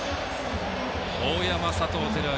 大山、佐藤輝明